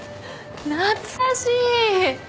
懐かしい。